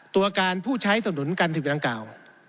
๘ตัวการผู้ใช้สนุนการศึกษาดังเก่า